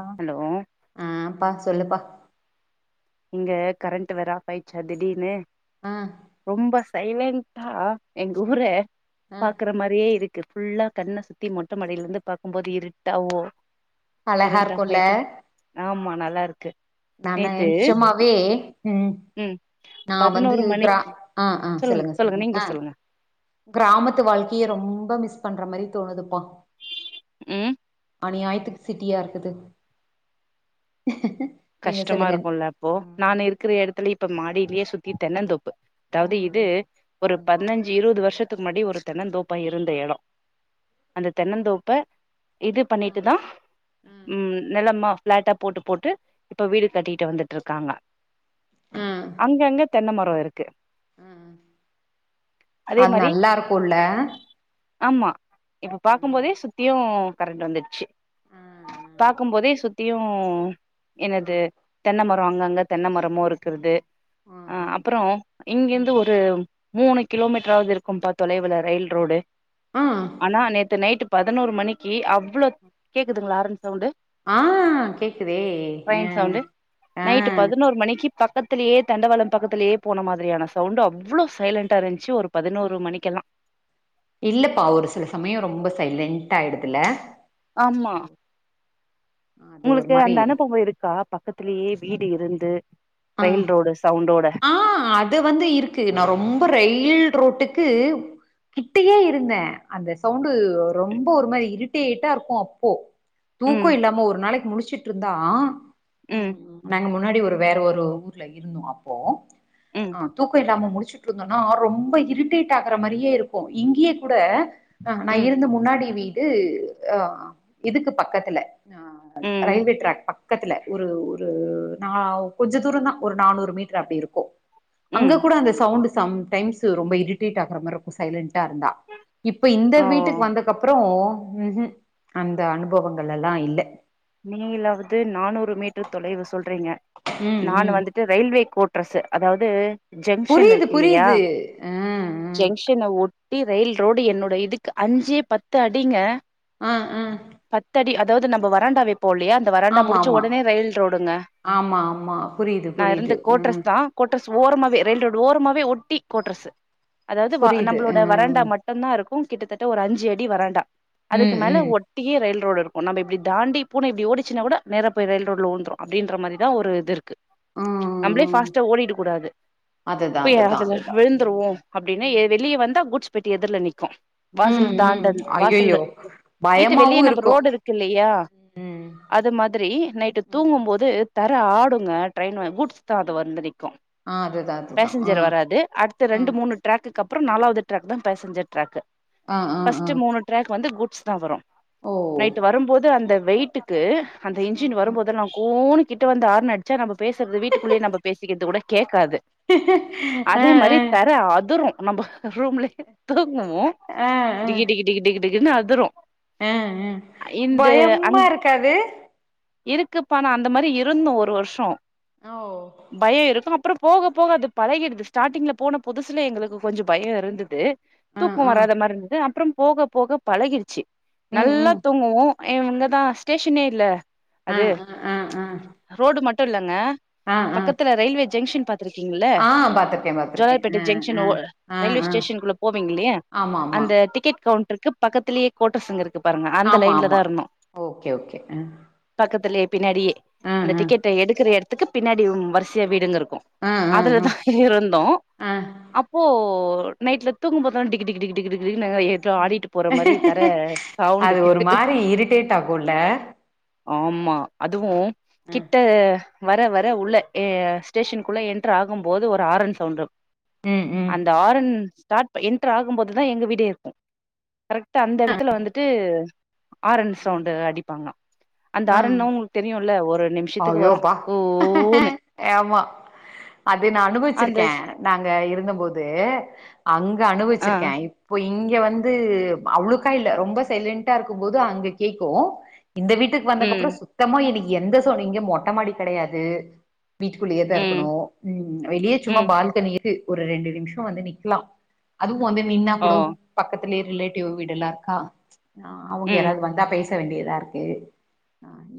அ hello ஆ பாத்து சொல்லுப்பா இங்கே கரண்ட் வேற ஆஃப் ஆயிச்சா திடீர்னு ஆ ரொம்ப சைலன்டா எங்க ஊர ஆ பாக்குற மாறியே இருக் கு ஃபுல்லா கண்ண சுத்தி மொட்ட மாடியில இருந்து பாக்கு போது இருட்டாவோ அழகா கரண்ட் ஆஃப் இருக்குல்ல ஆயிட்டு ஆம்மா நல்லா இருக்கு நானு நேத்து என் சும்மாவே ம் நா வந்து பதினோரு கிரா மணிக்கு ஆ ஆ சொல்லுங்க சொல்லுங்க ஆ கிராமத்து வாழ்க்கைய ரொம்ப மிஸ் பண்ற மாறி தோணு துப்பா ம் அநியாயத்துக்கு சிட்டியா இருக்குது நீங்க கஷ்டமா சொல்லுங்க இருக்கும்ல அப்போ ம் நானு இருக்கிற எடத்துல இப்போ மாடியிலயே சுத்தி தென்னந்தோப்பு தகுதி இது ம் ஒரு ம் பதினாஞ் சு இருபது வருஷத்துக்கு முன்னாடி ஒரு தென்னந்தோப்பா இருந்த இடே அந்த தென்னந்தோப்ப இது பண்ணிட்டு ம் தா ம் நிலமா பிளாட்டா போட்டு போட்டு இப்போ வீடு கட்டிட்டு வந்துட்டு இருக்காங்க அங்க அங்க தென்ன மரம் இருக்கு ம் ம் அது நல்லா இருக்குல்ல ஆம்மா இப்ப பாக்கு ம் போதே சுத்தியு கரண்ட் வந்துடுச்சு ம் பாக்கு போதே சுத்தியு ம் என்னது ம் தென்ன மரோ அங்க அங்க தென்னை மரமு இருக்கறது ஆ ம் அப்புறோ இங்க இருந்து ஒரு மூணு கிலோ மீட்டராவது இருக்கு பா தொலைவுல ரயில் ரோடு ம் ம் ஆனா நேத்து நைட்டு பதினோரு மணிக்கு அவ்ளோ கேக்குதுங்களா ஆரன் சவுண்டு ஆ கேக்குதே அ ட்ரெயின் சவுண்ட்டு ஆ நைட்டு பதினோரு மணிக்கு பக்கத் துலேயே தண்டவாள பக்கத்துலேயே போன மாதிரியான சவுண்ட்டு அவ்வுளோ சைலண்டா இருந்துச்சு ஒரு ஆ. பதினோரு மணிக்கெல்லா இல்லப்பா ஒரு சில சமயே ரொம்ப சைலண்ட்டா ஆயிடுதுல்ல ஆம்மா அது ஒரு உங்களுக்கு மாரி அந்த அனுபவே இருக்கா பக்கத்திலேயே வீடு இருந்து ஆ ரயில் ரோடு சவுண்டோட ஆ அது வந்து இருக்கு நா ரொம்ப ரயில் ரோட்டுக்கு கிட்டயே இருந்தே அந்த சவுண்டு ரொம்ப ஒரு மாறி இரிட்டேட்டா இருக்கு அப்போ தூக்க ம் இல்லாம ஒரு நாளைக்கு முழிச்சுட்டு இருந்தா ம் ம் நாங்க முன்னாடி ஒரு வேற ஒரு ஊர்ல இருந்தோ அப்போ ம் அ தூக்க இல்லாம முழிச்சு விட்றதுன்னா ரொம்ப இரிட்டேட் ஆகுற மாறியே இருக்கு இங்கயே கூட ஆ நா ம் இருந்த முன்னாடி வீடு ஆ ஆ இதுக்கு பக்கத்துல ஆ ம் ரயில்வே ட்ராக் பக்கத்துல ஒரு ஒரு நா கொஞ்ச தூரந்தா ஒரு நானூறு மீட்டர் அப்டி இருக்கு அங்க ம் கூட அந்த சவுண்ட் சம் டைம்ஸ் ரொம்ப இரிட்டேட்டா ஆகுற மாரி இருக்கு சைலண்டா இருந்தா இப்ப இந்த ஓ வீட்டுக் வந்தக்கு அப்றோ ம் ம் அந்த அனுபவங்கள்லா இல்ல நீங்களாவது நானூறு மீட்டர் தொலைவு சொல்றீங்க ம் நானு ம் வந்துட் டு ரயில்வே கோட்ரஸ்சா அதாவது ஜங்ஷன் புரியுது இருக்கு இல்லையா புரியுது ஆ ஜங்ஷனை ஒட்டி ரயில் ரோடு என்னோட இதுக்கு அஞ்சே பத்து அடிங்க ஆ ஆ பத்தடி அதாவது நம்ப வறண்டா வெப்போ இல்லையா அந்த வராண்டா ஆமா முடிச்ச ஆமா உடனே ரயில் ரோடுங்க ஆமா ஆமா புரியுது நா இருந்த புரியுது கோட்ரஸ் ம் தா கோட்ரஸ் ஓரமாவே ரயில் ரோடு ஓரமாவே ஒட்டி கோட்ரஸூ அதாவது புரியுது நம்மளோட வறண்டா ம் மட் மட்டு தா இருக்கு கிட்டத்தட்ட ஒரு அஞ்சு அடி வறண்டா அதுக்கு ம் மேல ம் ஒட் அப்டியே ரயில் ரோடு இருக்கு நம்ப இப்டி தாண்டி பூனை இப்டி ஓடிச்னா கூட நேர போய ரயில் ரோடுல உழுந்துரு அப்டின்ற மாறிதா ஒரு இது இருக்கு நம்பளே ம் பாஸ்ட்டா ஓடிட கூடாது அதுதா போய் அதுதா அதுல அதுதா ம் விழுந்துருவோ அப்டின்னூ ம் வெளிய வந்தா குட்ஸ் பெட்டி எதுர்ல நிக்கு வாசல் ம் ம் தாண்டன் ஐயையோ வாசலு வீட்டு வெளிய நம்ம ரோடு இருக்கு இல்லையா ம் அது மாதிரி நைட்டு ம் தூங்கும் போது தர ஆடுங்க ட்ரெயின் குட்ஸ் தா அது வந்து நிக்கு ஆ அதுதா அதுதா ஆ பேசஞ்சர் வராது அடுத்த ஆ ரெண்டு மூணு ட்ராக்கு அப்றோ நாலாவது டிராக் தா பேசஞ்சர் ட்ராக் ஆ ஆ ஆ ஃபஸ்ட் மூணு டிராக் வந்து குட்ஸ் தா வரு ஓ நைட் வரும்போது அந்த வெயிட்டுக்கு அந்த ஆ இன்ஜின் ஆ வரும்போதெல்லா நா கூன் கிட்ட வந்து ஆரண் அடிச்சா நம்ம பேசுறது வீட்டுக்குள்ளயே நம்ம பேசிக்கிறது கூட கேக்காது ஆ ஆ அதே மாரி தர அதுரு நம்ம ரூம்லயே தூங்குவோ ஆ ஆ டிகி டிகி டிகி டிகினு அதுரு ஆ ஆ பயமா இருக்காது இருக்குப்பா நான் அந்த மாரி இருந்தோ ஒரு வருஷோ ஓ பயோ இருக்கோ அப் அப்றோ போக போக அது பழகிடுது ஸ்டார்டிங்ல போன புதுசுல எங்களுக்கு கொஞ்சோ பயோ இருந்தது ஆ தூக்கோ ஆ வராத மாரி இருந்தது அப்றோ போக போக பழகிடுச்சி ம் நல்லா ம் தூங்குவோ ஆ இங்கதா ஸ்டேஷனே இல்ல ஆ அது ஆ ஆ ஆ ரோடு மட்டு இல்லங்க ஆ ஆ பக்கத்துல ரயில்வே ஜங்ஷன் பத் பாத்திருக்கீங்கள்ல ஆ பாத்திருக்கே பாத்திருக்கே ஜோலார்பேட்டை ஜங்ஷன் ஆ ஆ ரயில்வே ஆ ஆ ஸ்டேஷனுக்குள்ள போவிங்க இல்லையா ஆமா ஆமா அந்த டிக்கெட் கவுண்டருக்கு பக்கத்துலயே கோட்ரஸ்சாங்க இருக்கு பாருங்க அந்த ஆமா லைன்ல ஆமா தா இருந்தோ ஓகே ஓகே அ பக்கத்துலயே பின்னாடியே அந்த டிக்கெட்ட எடுக்கற எடத்துக்கு பின்னாடி வருசையா வீடுங்க இருக்கு ஆ ஆ அதுலதா இருந்தோ ஆ ஆ அப் போ நைட்ல தூங்கும்போதுதா டிகி டிகி டிகி டிகி டிகி டிகி டிகி டிகன்னு எத் ம் அது ஒரு சவுண்டுக்கு மாரி இரிட்டேட் ஆகும்ல ஆமா அதுவு ம் கிட்ட வர வர உள்ள ஏ ஸ்டேஷனுக்குள்ள என்டர் ஆகும் போது ஒரு ஆரன் சவுண்ட் ம் ம் அந்த ஆரன் ஸ்டார்ட் என்டர் ஆகும்போதுதா எங்க வீடே இருக்கு கரெக்ட்டா அந்த எடத்துல வந்துட்டு ஆரன் ம். சவுண்டு அடிப்பாங்க அந்த ஆ ஆரன்தா உங்ளுக்கு தெரியும்ல ஒரு நிம் ஐயோப்பா ஆமா அது நா அந்த அனுபவிச்சிருக்கே ஸ் நாங்க இருந்தபோது அங்க ஆ அனுபவிச்சிருக்கே இப்போ இங்க வந்து அவுளுக்கா இல்ல ரொம்ப சைலண்டா இருக்கு போது அங்க கேக்கு இந்த வீட்டுக்கு வந்துக்கு ம் அப்றோ சுத்தமா எனக்கி எந்த சவுண்ட் இங்க மொட்ட மாடி கெடையாது வீட்டுக்குள்ளயேதா ம் இருக்கணு ம் வெளிய சும்மா ம் பால்கனில இது ஒரு ரெண்டு நிமிஷோ வந்து நிக்கலா அதுவு வந்து நின்னா ஓ கூடோ பக்கத்துலயே ரிலேட்டிவ் வீடு எல்லா இருக்கா ஆ அவுங்க ம் யாராது வந்தா பேச ச வேண்டியதா இருக்கு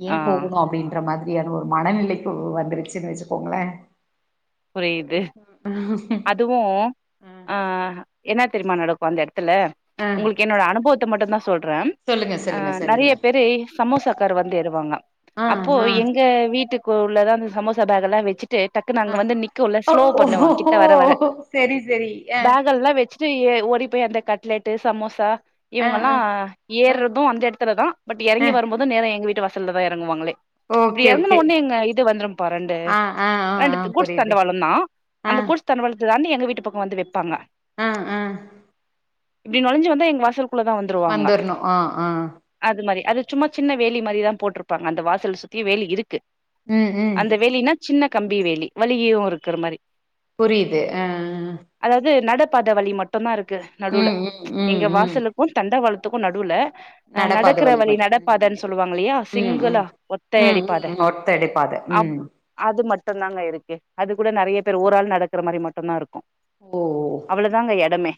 ஏ ஆ போகணு அப் ருக்குற மாதிரியான ஒரு மனநிலை இப்போ வந்துருச்சுன்னு வச்சுக்கோங்களே புரியுது ம் அதுவு ஆ என்ன தெரியுமா நடக்கு அந்த எடத்துல ஆ உங்களுக்கு என்னோட அனுபவத் த்த மட்டுந் தா சொல்றே சொல்லுங்க அ சொல்லுங்க சொல்லுங்க நெறைய பேரு சமோசாக்காரு வந்து ஏறுவாங்க ஆ அப்போ ஆ எங்க வீட்டுக் க்கு உள்ளதா அந்த சமோசா பேக்ல்லா வச்சுட்டு டக்குனு ஆ அங்க வந்து நிக்குல ஓ ஸ்லோ ஓஹோ பண்ணுவாங்க கிட் கிட்ட வர வர செரி செரி ஆ பேக்கெல்லா வச் ச்சி எ ஓடி போயி அந்த கட்லெட்டு சமோசா ஆ இவுங்கல்லா ஆ ஆ ஏற்றது அந்த எடத்துல தா பட் ஆ எறங்கி வருபோது நேர எங்க வீட்டு வாசல்ல தா எறங்குவாங்களே இப்டி ஓகே எறங்குன ஓகே ஒன்னே எங்க இது வந்துரும்பா ரெண்டு ஆ ஆ ஆ ஆ ரெண்டு குட்ஸ் புரியுது தண்டவாளம் தா ஆ அந்த கூட்ஸ் தண்டவாளத்த தாண்டி எங்க வீட்டு பக்கோ வந்து வெப்பாங்க அ அ இப்டி நுழஞ்சி வந்த எங்க வாசல்குள்ளதா வந் வந்துர்ணு ஆ ஆ அது மாரி அது சும்மா சின்ன வேலி மாதிரிதா போட்ருப்பாங்க அந்த வாசல சுத்தியு வேலி இருக்கு ம் ம் அந்த வேலின்னா சின்ன கம்பி வேலி வழியு இருக்குற மாரி புரியுது அ அ அதாவது நட பாத வழி மட்டுந்தா இருக்கு நடுல ம் ம் ம் எங்க ம் வாசலுக்கு தண்டவாளத்துக்கு நடுவுல அ நடப்பாத நடக்குற வழி மட்டு ம் நடப்பாதைன் சொல்லுவாங்க இல்லையா ம் ம் சிங்குளா ம் ம் ஒத்தையடி பாத ம் ஒத்தடி பாத அப் ம் அது மட்டுந்தாங்க இருக்கு அது கூட நெறைய பேர் ஒராளு நடக்குற மாரி மட்டுந்தா இருக்கு ஓ அவ்ளோதாங்க எடமே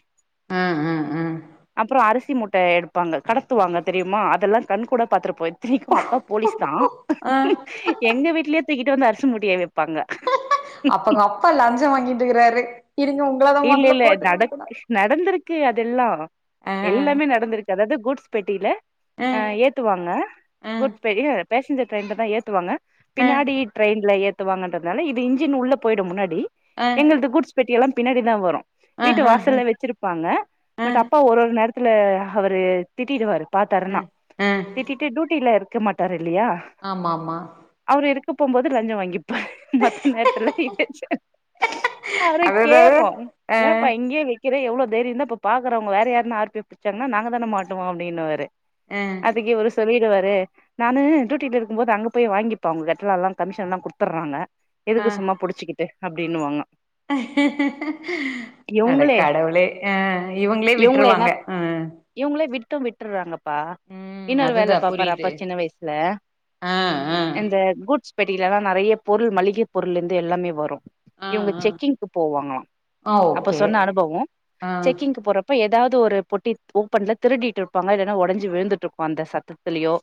ம் ம் ம் அப்றோ அரிசி முட்ட எடுப் ப்பாங்க கடத்துவாங்க தெரியுமா அதெல்லா கண் கூட பாத்துருப் போய் னைக்கு அப்பா போலீஸ் தா ஆ எங்க வீட்லயே தூக்கிட்டு வந்து அரிசி முட்டைய வெப் ப்பாங்க ப்பா லஞ்சோ வாங்கிட்ருக்கிறாரு இருங்க உங் இல்லேல்ல நடக் நடந்துருக்கு அதெல்லா ஆ எல்லாமே நடந்துருக் அதாவது குட்ஸ் பெட்டில ஆ அ ஏத் த்து வாங்க ஆ குட் பெரிய பேசஞ்சர் ட்ரெயின்ல தா ஏத்துவாங்க ஆ பின்னாடி டிரெயின்ல ஏத் த்து வாங்கன்றதுனால இது இன்ஜின் உள்ள போய்டு முன்னாடி ஆ எங்கள்து குட்ஸ் பெட்டியில்லா பின்னாடி தா வரு ஆ வீட்டு ஆ வாசல்ல வச்சிருப்பாங்க ஆ ஆ பட் அப்பா ஒரு ஒரு நேரத்துல அவரு திட்டிட்டுவாரு பாத்தாருன்னா ஆ திட்டிட்டு டுடில இருக்க மாட்டாரு இல்லயா ஆமாம்மா அவரு இருக்க போம்போது லஞ்சோ வாங்கிப்பாரு மத்த நேரத்துல [unintelligible] அவரே அதேதாது கேப்போ ஆ ஏ ஃபைன் இங்கேயே வெக்கிற எவ்ளோ தைரியோ இருந்தா இப்ப பாக்குறவுங்க வேற யாருன்ன ஆர் பி புட்ச்சாங்கனா நாங்க தான மாட்டுவோ அப்டின்னுவாரு அ அதுக்கு இவரு சொல்லிடுவாரு நானு டூட்டில இருக்கும்போது அங்க போய் வாங்கிப்போ அவுங்க கெட்லெல்லா கமிஷன்லா குடுத்துர்றாங்க ஆ எதுக்கு சும்மா புடிச்சுக்கிட்டு அப்டின்னுவாங்க அட இவங்களே கடவுளே அ இவுங்ளே விட்ருவாங்க அ இவுங்களே விட்டும் விட்டுர்றாங்க பா ம் இன்னோரு வேல அதுதா பாப்பாரு அப்பா புரியுது சின்ன வயசுல ஆ ஆ என்ஜாய குட்ஸ் பெட்டிலெல்லா நெறைய பொருள் மளிகை பொருள்ல இருந்து எல்லாமே வரு ஆ இவுங்க ஆ செக்கிங்க்கு போவாங்களா ஆ அப்ப ஓகே சொன்ன அனுபவோ ஆ செக்கிங் ங்கு போறப்ப எதாவது ஒரு பொட்டி ஓப்பன்ல திருடிட்டு இருப்பாங்க இல்லன்னா ஒடஞ்சு விழுந்துட்ருக்கு அந்த சத்தத் த்துலயோ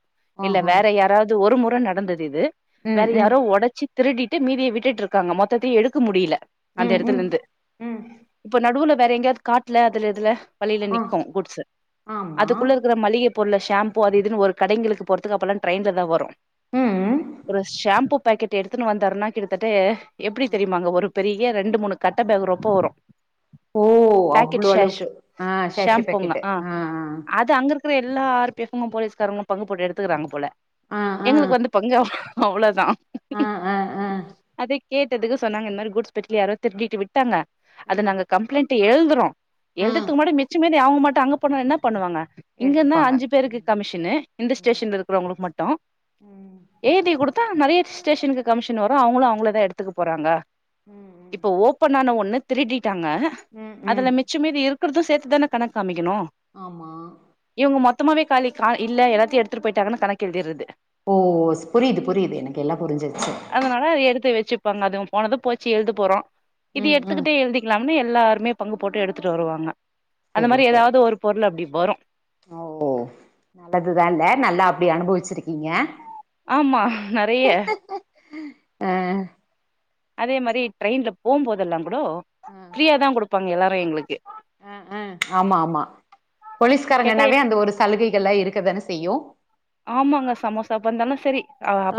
இல்ல ஆஹா வேற யாராவது ஒரு முறை நடந்தது இது ம் வேற ம் யாரோ ஒடச்சு திருட்டிட்டு மீதிய விட்டுட்டு இருக்காங்க மொத்தத்தையு எடுக்க முடில அந்த ம் எடத்துல ம் இருந்து ம் இப்போ நடுவுல வேற எங்கேயாவது காட்ல அதுல இதுல வழியில ஆ நிக்கு குட்ஸு ஆமா அதுக்குள்ள இருக்கற மளிகை பொருள் ஷாம்பு அது இது ஒரு கடைங்களுக்கு போறதுக்கு அப்பல்ல ட்ரெயின்ல தா வரு ம் ஒரு ஷாம்பு பாக்கெட் எடுத்துனு வந்தாருன்னா கிட்டத்தட்ட எப்டி ம். தெரியுமாங்க வரு யே ரெண்டு மூணு கட்ட பேக் ரொப்ப வரு ஓ பாக்கெட் அவ்ளோ ஷாஷ் அளவுக்கு ஆ சேஷி ஷம்புங்க பாக்கெட்டு ஆ அது அங்க இருக் க்கற எல்லா ஆர் பி எஃபும் போலீஸ்காரங்களு பங்கு போட்டு எடுத்துக்கிறாங்க போல ஆ ஆ ஆ எங்களுக்கு வந்து பங்கு அவ்ளதா ஆ ஆ ஆ அதே கேட்டதுக்கு சொன்னாங்க இந்த மாரி குட்ஸ் யாரோ திருடிட்டு விட்டாங்க ஆ அத நாங்க கம்ளைண்டட் எழுதுறோ ஆ. எழுதறுதுக் முன்னாடே மிச்சமி னே அவுங்க மட்டு அங்க போனா என்ன பண்ணுவாங்க இங்க இருந்த எடுத்துப்பாங்க அஞ்சு பேருக்கு ம் கமிஷ்சனு இந்த ம் ஸ்டேஷன்ல இருக்குறவங்களுக்கு மட்டு ம் ஏழ்தி குடுத்தா நெறைய ஸ்டரேஷனுக்கு கமிஷன் வரு அவுங்களு அவுங்களுத எடுத்துக்க போறாங்க ம் ம் இப்ப ஓப்பனான ஒன்ன திருடிட்டாங்க ம் ம் அதுல மிச்சமீதி இருக்கறத சேத்துதான கணக்கு காமிக்கணு ஆமா இவுங்க மொத்தமாவே காலி கா இல்ல எல்லாத்தையு எடுத்துட்டு போயிட்டாங்கன்னு கணக்கு எழுதிறது ஓ புரிது புரிது எனக்கு எல்லா புரிஞ்சிருச்சி அதனால அத எடுத்து வச்சிப்பாங்க அது போனது போச்சி எழுது போறோ இது ம் எடுத்துக் ம் ட்டு எழுதிக்கலாம்னு எல்லாருமே பங்கு போட்டு எடுத்துட்டு வருவாங்க அந்த சரி மாரி சரி எதாவது ஒரு பொருள் அப்டி வரு ஓ நல்லதுதா இல்ல நல்லா அப்டி அனுபவச்சிருக்கீங்க ஆமா நறைய அ அதே மாரி ட்ரெயின்ல போபோதெல்லா கூடோ ஆ ஃப்ரீயா தா குடுப்பாங்க எல்லாரு எங்களுக்கு ஆ ஆ ஆமா ஆமா கேட்டா போலீஸ்காரங்கனாவே அந்த ஒரு சலுகைகல்லா இருக்கதான செய்யு ஆமாங்க சமோசா வந்தாலு சரி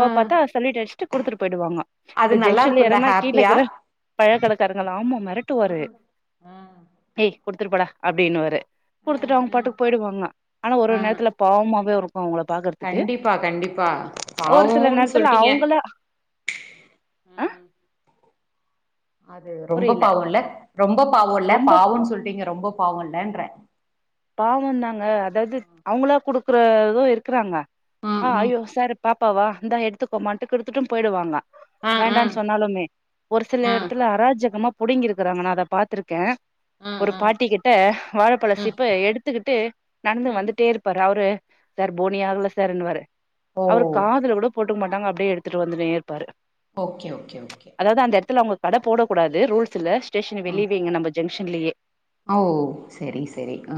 ஆ பாத்தா சல்யூட் அடிச்சிட்டு குடுத்துட்டு போயிடுவாங்க அது இந்த நல்லா ஜங்ஷன்ல இருக்குல்ல எறங்கனா கீழ ஹாப்பியா இருக்கற பழக்கடக்காரங்கலா ஆமா ஆ மெரட்டுவாரு ஆ ஏய் குடுத்துட்டு போடா அப்டின்னுவாரு ஆ குடுத்துட்டு அவுங்க ஆ பாட்டுக்கு போயிடுவாங்க ஆனா ஒரு ஆ ஒரு நேரத்துல பாவமாவே இருக்கு அவுங்கள பாக்கறதுக்கு கண்டிப்பா கண்டிப்பா ஒரு சில பாவோன்னு நேரத்துல சொல்ட்டீங்க அவுங்கள அ ம் அது ரொம்ப புரியல பாவோல்ல ரொம்ப பாவோ இல்ல ரொம்ப பாவன்னு சொல்லிட்டீங்க ரொம்ப பாவல்லன்ற பாவோ தாங்க அதாவது அவுங்களா குடுக்குறது இருக்கறாங்க ஆ ம் ம் ஐயோ சார் பாப்பாவா இந்தா எடுத்துக்கோமான்ட்டு குடுத்துட்டு போயிடுவாங்க ஆ ஆ வேண்டான்னு சொன்னாலுமே ஒரு சில ஆ இடத்துல அராஜகமா புடுங்கிருக்கறாங்க நா அத பாத்துருக்க ஆ ஒரு ஆ பாட்டி கிட்ட ம் வாழப்பழசீப் ப எடுத்துக்கிட்டு நடந்து ம் வந்துட்டே இருப்பாரு அவரு சார் போனி ஆகல சாருன்னுவாரு ஓ அவரு காதுல கூட போட்டுக்க மாட்டாங்க அப்டே எடுத்துட்டு வந்துனே இருப்பாரு ஓகே ஓகே ஓகே அதாவது அந்த எடத்துல அவங்க கடை போட கூடாது ரூல்ஸ் இல்ல ஸ்டேஷன் ம் வெளியவே இங்க நம்ப ஜங்ஷன்லயே ஓ சரி சரி ஆ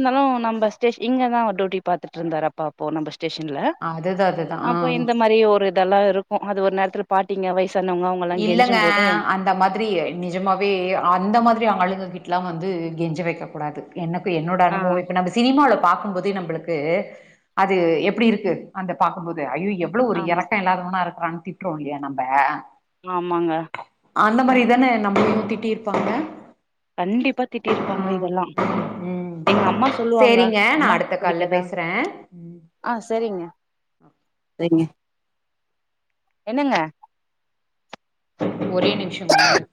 இருந்தாலு நம்ம ஸ்டே இங்க தா டியூட்டி பாத்துட்டு இருந்தாரு அப்பா அப்போ நம் ஸ்டேஷன்ல அதுதா அதுதா அப்ப ஆ இந்த மாரி ஒரு இதெல்லா இருக்கு அது ஒரு நேரத்துல பாட்டீங்க வயசானவங்க அவங்கல்லா இல்லங்க கெஞ்சும் போது அந் அந்த மாதிரி நிஜமாவே அந்த மாதிரி அவங்க‌ ஆளுக கிட்டலா வந்து கெஞ்ச வைக்க கூடாது எனக்கு என்னோட ஆ அனுபவோ இப்ப நம்ம சினிமால பாக்குபோதே நம்மளுக் க்கு அது எப்டி இருக்கு அந்த பாக்குபோது ஐயோ எவ்ளோ ஒரு ஆமா எறக்க இல்லாதவனா இருக்கானு தி ட்றோ இல்லையா நம்ப ஆமாங்க அந்த மாரி தான நம்மளையு திட்டிடே இருப்பாங்க கண்டிப்பா திட்டிருப்பாங்க ம் இதெல்லா ம் எங்க அம்மா சொல்லுவாங்க சேரிங்க நா அம்மாக்கு அடுத்த கால்ல புடிக்காதா பேசுற ம் ஆ சேரிங்க அ செரிங்க என்னங்க ஒரே நிமிஷங்க எங்க